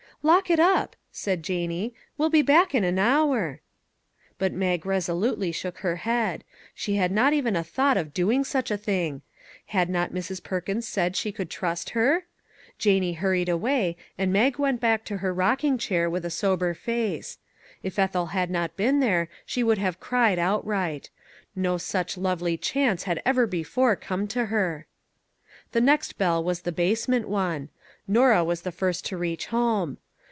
" Lock it up," said Janie. " We'll be back in an hour." But Mag resolutely shook her head ; she had not even a thought of doing such a thing. Had 38 ETHEL not Mrs. Perkins said she could trust her? Janie hurried away, and Mag went back to her rock ing chair with a sober face. If Ethel had not been there, she would have cried outright; no such lovely chance had ever before come to her. The next bell was the basement one ; Norah was the first to reach home.